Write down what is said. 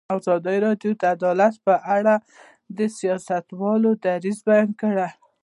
ازادي راډیو د عدالت په اړه د سیاستوالو دریځ بیان کړی.